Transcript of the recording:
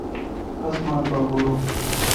اسمان پاگوڑون۔